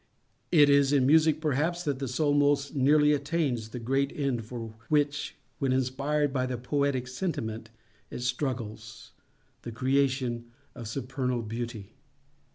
It is in Music perhaps that the soul most nearly attains the great end for which, when inspired by the Poetic Sentiment, it struggles—the creation of supernal Beauty.